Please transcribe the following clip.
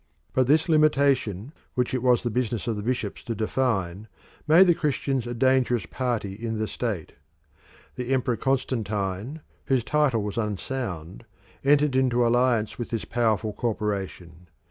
But this limitation, which it was the business of the bishops to define, made the Christians a dangerous party in the state. The Emperor Constantine, whose title was unsound, entered into alliance with this powerful corporation.